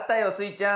ちゃん。